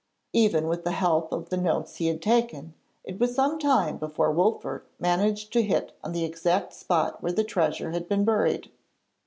Even with the help of the notes he had taken, it was some time before Wolfert managed to hit on the exact spot where the treasure had been buried.